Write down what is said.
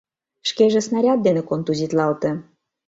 Шкеже снаряд дене контузитлалте.